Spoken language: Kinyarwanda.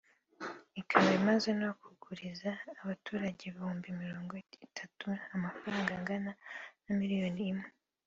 ikaba imaze no kuguriza abaturage ibihumbi mirongo itatu amafaranga angana na miriyari imwe